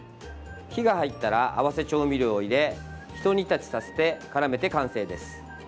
火が入ったら合わせ調味料を入れひと煮立ちさせて絡めて完成です。